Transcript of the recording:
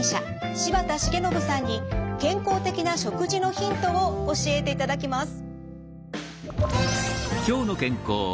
柴田重信さんに健康的な食事のヒントを教えていただきます。